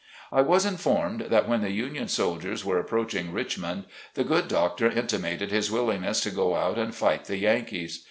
I was informed that when the Union soldiers were approaching Richmond, the good doctor intimated his willingness to go out and fight the Yankees.